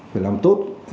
phải làm tốt